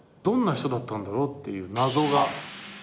どんな人だったんだろうっていう謎が。